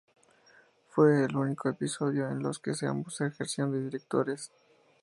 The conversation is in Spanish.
Fue el único episodio en los que ambos ejercieron de directores.